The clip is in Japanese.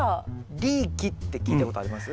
リーキって聞いたことあります？